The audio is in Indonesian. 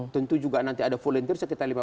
tentu juga nanti ada volunteer sekitar lima belas ribu